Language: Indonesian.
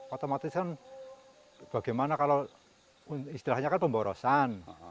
otomatis kan bagaimana kalau istilahnya kan pemborosan